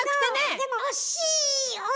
でも惜しい！